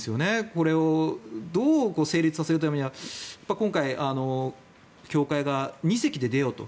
これをどう成立させるためには今回、協会が２隻で出ようと。